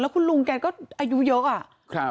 แล้วคุณลุงแกก็อายุเยอะ